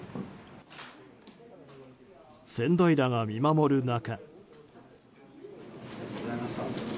先代らが見守る中。